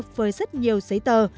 với rất nhiều giấy tờ